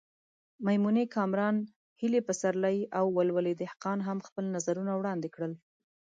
میمونې کامران، هیلې پسرلی او ولولې دهقان هم خپل نظرونه وړاندې کړل.